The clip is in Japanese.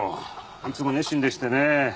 いつも熱心でしてね